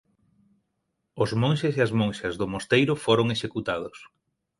Os monxes e as monxas do mosteiro foron executados.